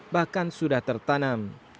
bahkan sudah tertanam